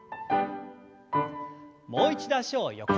もう一度脚を横に。